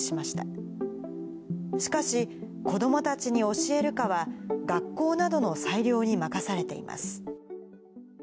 しかし、子どもたちに教えるかは、学校などの裁量に任されています。